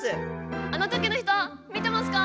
あのときの人見てますか！